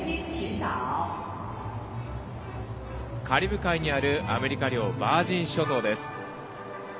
カリブ海にあるアメリカ領バージン諸島です。